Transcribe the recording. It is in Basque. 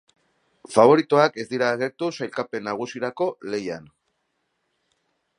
Faboritoak ez dira agertu sailkapen nagusirako lehian.